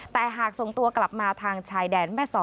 แต่หากส่งตัวกลับมาทางชายแดนแม่สอ